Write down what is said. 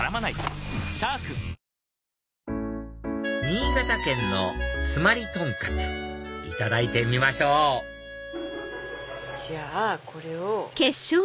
新潟県の妻有トンカツいただいてみましょうじゃあこれを。